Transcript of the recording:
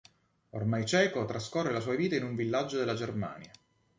Ormai cieco, trascorre la sua vita in un villaggio della Germania.